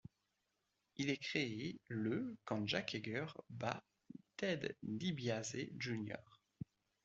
Il est créé le quand Jake Hager bat Ted DiBiase, Jr.